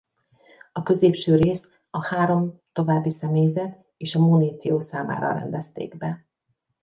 A középső részt a három további személyzet és a muníció számára rendezték be.